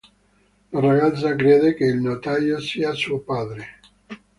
La ragazza crede che il notaio sia suo padre.